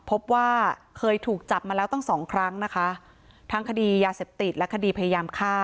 พบว่าเคยถูกจับมาแล้วตั้งสองครั้งนะคะทั้งคดียาเสพติดและคดีพยายามฆ่า